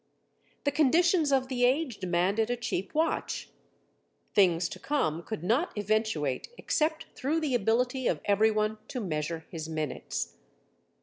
The conditions of the age demanded a cheap watch. Things to come could not eventuate except through the ability of everyone to measure his minutes.